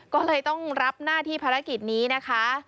ก็เลยต้องรับหน้าที่ภารกิจนี้นะคะ